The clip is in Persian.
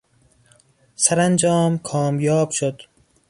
سرانجام کامیاب شد.